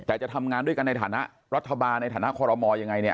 แต่จะทำงานด้วยกันในฐานะรัฐบาลในฐานะคอรมอลยังไงเนี่ย